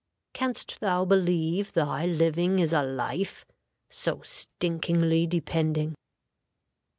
Canst thou believe thy living is a life? So stinkingly depending."